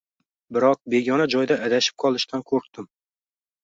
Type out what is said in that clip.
biroq begona joyda adashib qolishdan qo’rqdim.